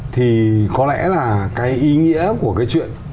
thì có lẽ là cái ý nghĩa của cái chuyện